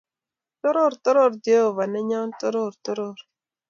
Toror toror jehova nenyo, toror toror